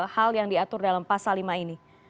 hal yang diatur dalam pasal lima ini